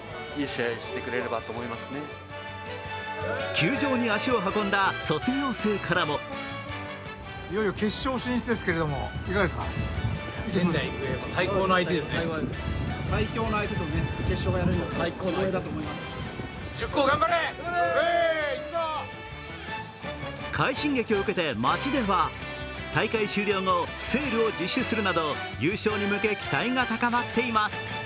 球場に足を運んだ卒業生からも快進撃を受けて街では大会終了後、セールを実施するなど優勝に向け期待が高まっています。